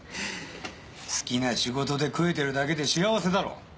好きな仕事で食えてるだけで幸せだろう。